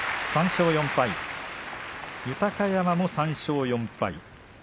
３勝４敗、豊山も３勝４敗。